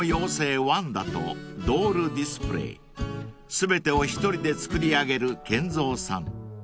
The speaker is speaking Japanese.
［全てを１人で作り上げるＫＥＮＺＯさん］